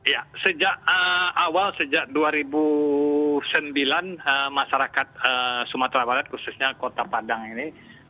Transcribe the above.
ya sejak awal sejak dua ribu sembilan masyarakat sumatera barat khususnya kota padang ini